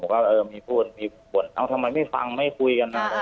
บอกว่าเออมีพูดมีบทเอาทำไมไม่ฟังไม่คุยกันอ่า